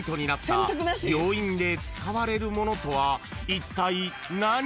［いったい何？］